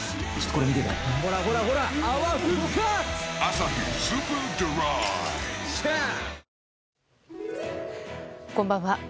こんばんは。